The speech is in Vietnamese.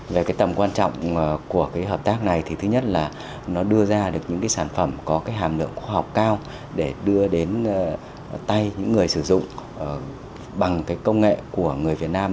về tầm quan trọng của hợp tác này thứ nhất là nó đưa ra được những sản phẩm có hàm lượng khoa học cao để đưa đến tay những người sử dụng